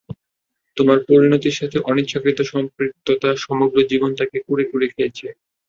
তোমার পরিণতির সাথে তার অনিচ্ছাকৃত সম্পৃক্ততা সমগ্র জীবন তাকে কুঁড়ে কুঁড়ে খেয়েছে।